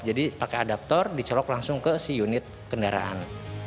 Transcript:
jadi pakai adapter dicelok langsung ke si unit kendaraan